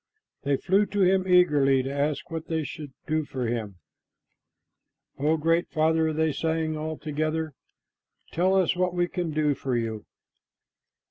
They flew to him eagerly to ask what they should do for him. "O Great Father," they sang all together, "tell us what we can do for you."